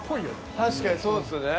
確かにそうですよね。